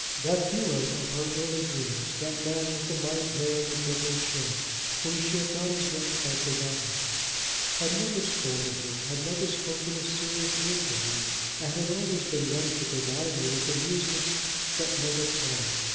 That hero of her early dreams, that man with the light hair and the dimpled chin, whom she had not as yet quite forgotten, had never scolded her, had never spoken a serious word to her, and had always been ready to provide her with amusements that never palled.